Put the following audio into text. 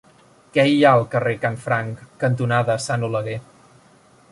Què hi ha al carrer Canfranc cantonada Sant Oleguer?